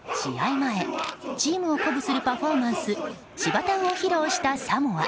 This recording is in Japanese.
前、チームを鼓舞するパフォーマンスシバタウを披露したサモア。